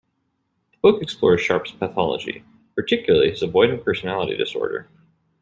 The book explores Sharpe's pathology, particularly his avoidant personality disorder.